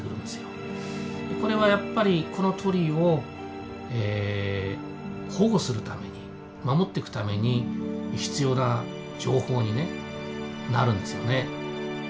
これはやっぱりこの鳥を保護するために守っていくために必要な情報にねなるんですよね。